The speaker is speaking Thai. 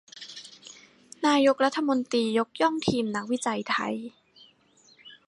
นายกรัฐมนตรียกย่องทีมนักวิจัยไทย